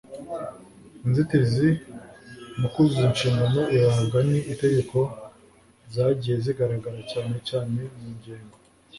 inzitizi mu kuzuza inshingano ihabwa n Itegeko zagiye zigaragara cyane cyane mu ngengo